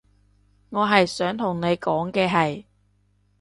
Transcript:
我係想同你講嘅係